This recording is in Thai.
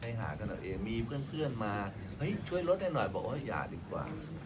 ให้หาขนาดเองมีเพื่อนมาช่วยลดให้หน่อยบอกยัดดีกว่า